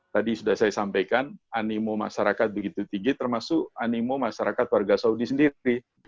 tadi sudah saya sampaikan animo masyarakat begitu tinggi termasuk animo masyarakat warga saudi sendiri